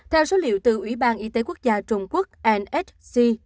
theo số liệu từ ủy ban y tế quốc gia trung quốc nsc